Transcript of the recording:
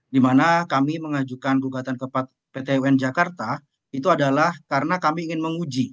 di mana kami mengajukan gugatan ke pt un jakarta itu adalah karena kami ingin menguji